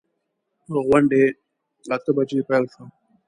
غونډه اته بجې پیل شوه.